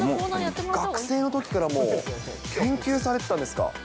学生のときからもう研究されてたんですか？